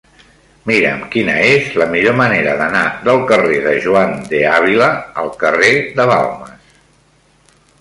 Mira'm quina és la millor manera d'anar del carrer de Juan de Ávila al carrer de Balmes.